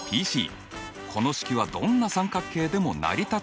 この式はどんな三角形でも成り立つのだろうか？